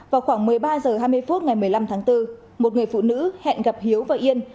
vào khoảng một mươi ba h hai mươi phút ngày một mươi năm tháng bốn một người phụ nữ hẹn gặp hiếu và yên